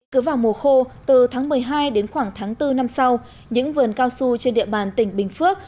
cứ vào mùa khô từ tháng một mươi hai đến khoảng tháng bốn năm sau những vườn cao su trên địa bàn tỉnh bình phước